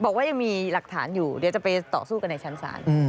บอกว่ายังมีหลักฐานอยู่เดี๋ยวจะไปต่อสู้กันในชั้นศาล